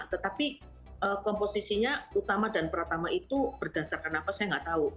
tetapi komposisinya utama dan pratama itu berdasarkan apa saya nggak tahu